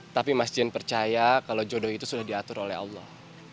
tapi masjid percaya kalau jodoh itu sudah diatur oleh allah